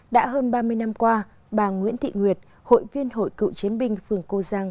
đã hơn ba mươi năm qua bà nguyễn thị nguyệt hội viên hội cựu chiến binh phường cô giang